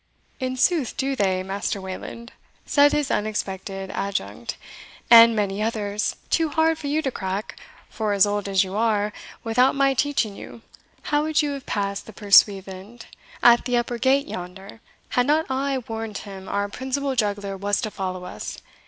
"In sooth do they, Master Wayland," said his unexpected adjunct, "and many others, too hard for you to crack, for as old as you are, without my teaching you. How would you have passed the pursuivant at the upper gate yonder, had not I warned him our principal juggler was to follow us?